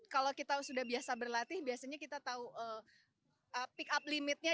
kalau kita sudah biasa berlatih biasanya kita tahu pick up limitnya